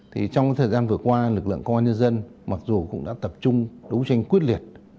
thì trong thời gian vừa qua lực lượng công an nhân dân mặc dù cũng đã tập trung đấu tranh quyết liệt